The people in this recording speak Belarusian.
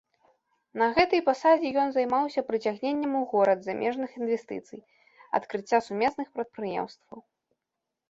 На гэтай пасадзе ён займаўся прыцягненнем у горад замежных інвестыцый, адкрыцця сумесных прадпрыемстваў.